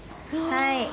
はい。